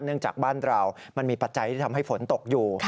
จากบ้านเรามันมีปัจจัยที่ทำให้ฝนตกอยู่